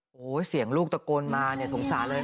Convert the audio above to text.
โห้เสียงลูกตะโกนมาทงสารเลย